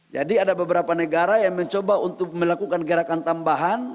jadi ada beberapa negara yang mencoba untuk melakukan gerakan tambahan